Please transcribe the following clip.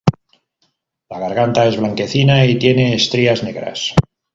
La garganta es blanquecina y tiene estrías negras.